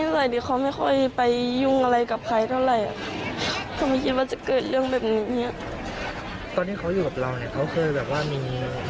สิว่าจะเกิดเรื่องแบบนี้